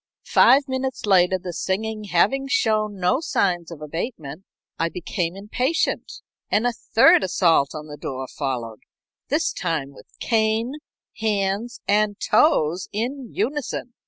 Five minutes later the singing having shown no signs of abatement I became impatient, and a third assault on the door followed, this time with cane, hands, and toes in unison.